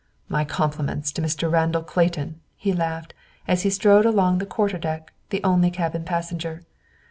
"My compliments to Mr. Randall Clayton!" he laughed, as he strode along the quarter deck, the only cabin passenger.